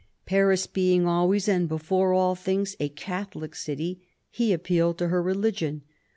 Paris being always and before all things a Catholic city, he appealed to her religion.